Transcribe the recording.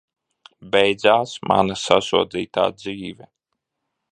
Beidzās mana sasodītā dzīve!